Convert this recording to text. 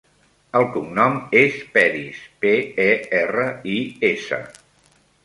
El cognom és Peris: pe, e, erra, i, essa.